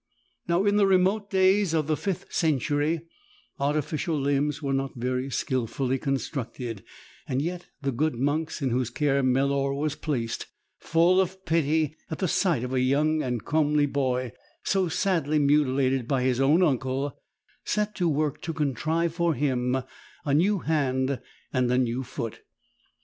Now in the remote days of the fifth century artificial limbs were not very skilfully constructed; yet the good monks in whose care Melor was placed, full of pity at the sight of a young and comely boy so sadly mutilated by his own uncle, set to work to contrive for him a new hand and a new foot.